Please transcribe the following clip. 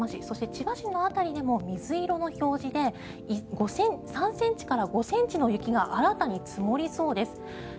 そして、千葉市の辺りでも水色の表示で３ｃｍから５ｃｍの雪が新たに積もりそうです。